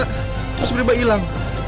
terus berubah ilang